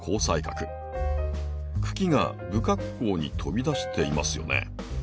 茎が不格好に飛び出していますよね？